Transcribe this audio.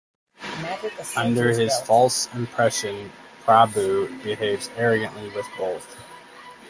Under his false impression Prabhu behaves arrogantly with both.